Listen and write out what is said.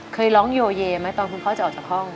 เคยร้องโยเยไหมตอนคุณพ่อจะออกจากห้อง